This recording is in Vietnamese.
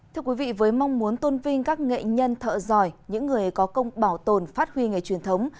thưa quý vị với mong muốn tôn vinh các nghệ nhân thợ giỏi những người có công bảo tồn phát huy nghề truyền thống